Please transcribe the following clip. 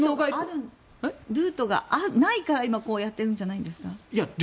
ルートがないから今こうやってるんじゃないですか。